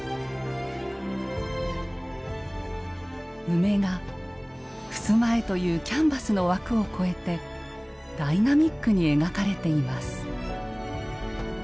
梅がふすま絵というキャンバスの枠を超えてダイナミックに描かれています。